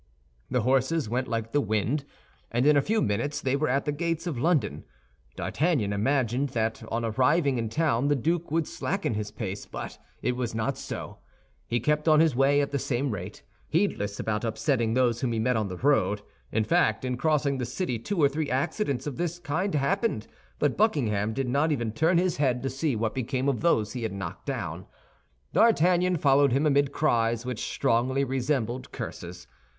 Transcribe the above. The horses went like the wind, and in a few minutes they were at the gates of London. D'Artagnan imagined that on arriving in town the duke would slacken his pace, but it was not so. He kept on his way at the same rate, heedless about upsetting those whom he met on the road. In fact, in crossing the city two or three accidents of this kind happened; but Buckingham did not even turn his head to see what became of those he had knocked down. D'Artagnan followed him amid cries which strongly resembled curses.